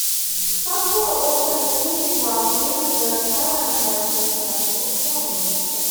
Slapshot also has a pretty big rivalry with the Carolina Hurricanes mascot Stormy.